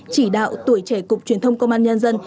chỉ đạo tuổi trẻ cục truyền thông công an nhân dân